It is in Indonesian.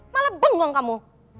malah bengong kamu